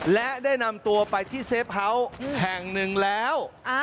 และได้นำตัวไปที่เซฟเฮาส์แห่งหนึ่งแล้ว